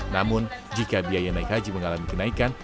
namun jika biaya naik haji mengalami kenaikan